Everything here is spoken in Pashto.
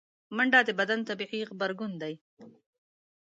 منډه د بدن طبیعي غبرګون دی